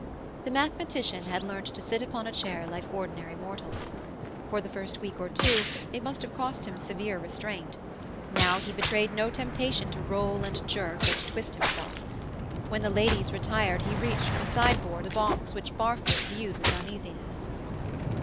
The mathematician had learnt to sit upon a chair like ordinary mortals. For the first week or two it must have cost him severe restraint; now he betrayed no temptation to roll and jerk and twist himself. When the ladies retired, he reached from the sideboard a box which Barfoot viewed with uneasiness.